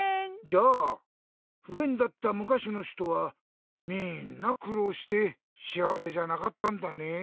じゃあふべんだったむかしのひとはみんなくろうしてしあわせじゃなかったんだね。